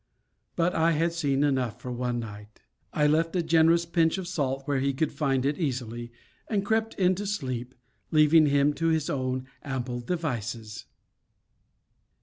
But I had seen enough for one night. I left a generous pinch of salt where he could find it easily, and crept in to sleep, leaving him to his own ample devices.